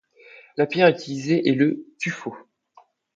La pierre utilisée est le tuffeau.